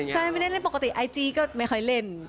ใช่ไม่ได้เล่นปกติไอจีก็ไม่ค่อยเล่น